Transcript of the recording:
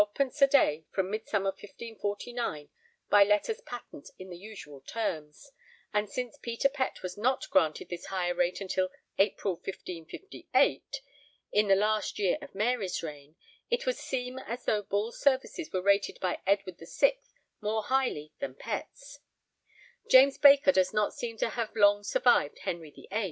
_ a day from Midsummer 1549 by letters patent in the usual terms, and since Peter Pett was not granted this higher rate until April 1558, in the last year of Mary's reign, it would seem as though Bull's services were rated by Edward VI more highly than Pett's. James Baker does not seem to have long survived Henry VIII.